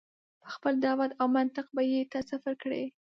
په خپل دعوت او منطق به یې ته صفر کړې.